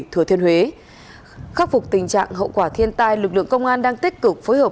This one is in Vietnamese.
thừa thiên huế khắc phục tình trạng hậu quả thiên tai lực lượng công an đang tích cực phối hợp